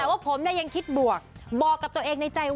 แต่ว่าผมเนี่ยยังคิดบวกบอกกับตัวเองในใจว่า